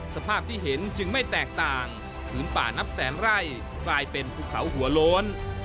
สภาพที่เห็นจึงไม่แตกต่างพื้นป่านับแสนไร่กลายเป็นภูเขาหัวโล้น